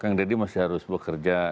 kang deddy masih harus bekerja